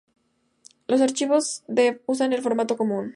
Los archivos deb usan el formato común.